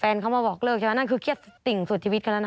แฟนเค้ามาบอกเลิกใช่ไหมอันนั้นคือเครียดสุดติ่งสุดชีวิตเค้าแล้วนะ